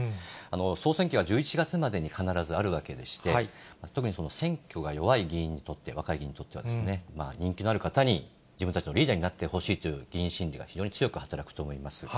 総選挙は１１月までに必ずあるわけでして、特に選挙が弱い議員にとっては、若い議員にとっては、人気のある方に自分たちのリーダーになってほしいという議員心理が、非常に強く働くと思っています。